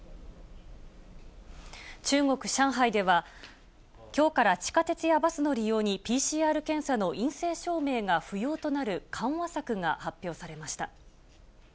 中国・上海では、きょうから地下鉄やバスの利用にＰＣＲ検査の陰性証明が不要となる緩和策が発表されました。